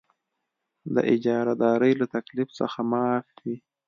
د اجاره دارۍ له تکلیف څخه معاف وي.